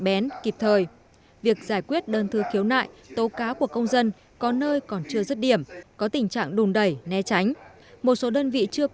ban bí thư liên quan đến công tác dân vận cho các tỉnh khu vực phía bắc